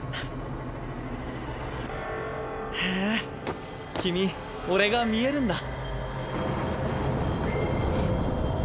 へえ君俺が見えるんだ。